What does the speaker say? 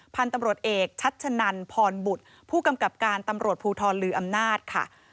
พันธุ์ตำรวจเอกชัชนันพรบุตรผู้กำกับการตำรวจภูทรลืออำนาจค่ะ